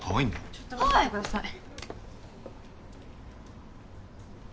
ちょっと見せてください。